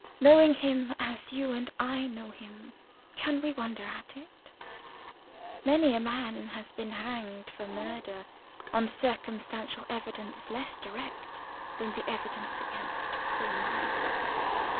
Knowing him, as you and I know him, can we wonder at it? Many a man has been hanged for murder, on circumstantial evidence less direct than the evidence against poor Miles.